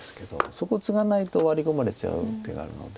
そこツガないとワリ込まれちゃう手があるので。